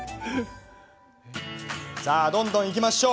さあ、どんどんいきましょう。